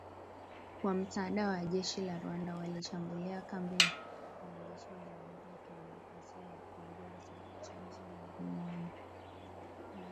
Kwa msaada wa jeshi la Rwanda, walishambulia kambi la Wanajeshi wa Jamhuri ya Kidemokrasia ya Kongo za Tchanzu na Runyonyi.